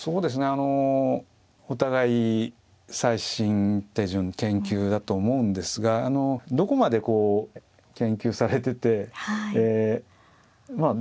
あのお互い最新手順研究だと思うんですがどこまでこう研究されててえまあ